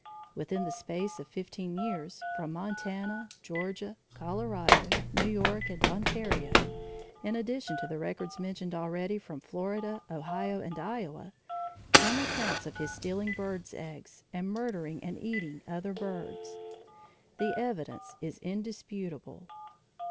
Within the space of fifteen years, from Montana, Georgia, Colorado, New York, and Ontario, in addition to the records mentioned already from Florida, Ohio, and Iowa, come accounts of his stealing birds' eggs and murdering and eating other birds. The evidence is indisputable.